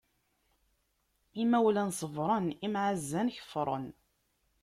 Imawlan ṣebṛen, imɛazzan kefṛen.